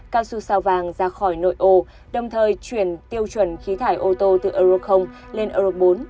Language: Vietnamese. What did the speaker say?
cao su sao vàng ra khỏi nội ô đồng thời chuyển tiêu chuẩn khí thải ô tô từ euro lên euro bốn